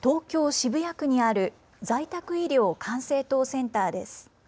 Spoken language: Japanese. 渋谷区にある在宅医療管制塔センターです。